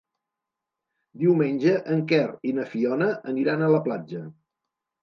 Diumenge en Quer i na Fiona aniran a la platja.